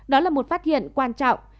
đó là một phát hiện quan trọng